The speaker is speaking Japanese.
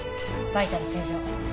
バイタル正常。